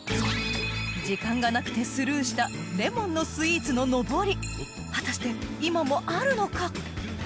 時間がなくてスルーしたレモンのスイーツののぼり果たして今もあるのか？